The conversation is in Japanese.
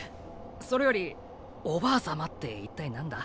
それよりおばあ様って一体なんだ？